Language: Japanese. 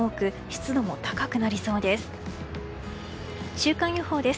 週間予報です。